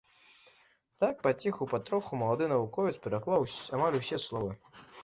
Так паціху-патроху малады навуковец пераклаў амаль усе словы.